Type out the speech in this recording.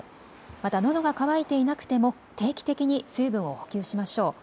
またのどが渇いていなくても定期的に水分を補給しましょう。